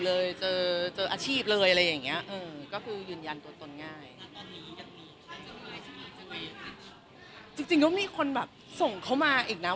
เลยเจออาชีพเลยอะไรเงี้ย